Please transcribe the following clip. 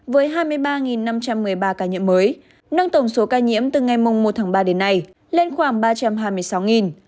với hai mươi ba năm trăm một mươi ba ca nhiễm mới nâng tổng số ca nhiễm từ ngày một tháng ba đến nay lên khoảng ba trăm hai mươi sáu